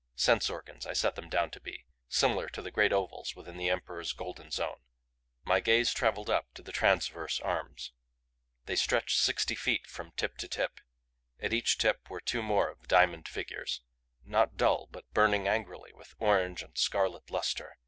Sense organs I set them down to be similar to the great ovals within the Emperor's golden zone. My gaze traveled up to the transverse arms. They stretched sixty feet from tip to tip. At each tip were two more of the diamond figures, not dull but burning angrily with orange and scarlet luster.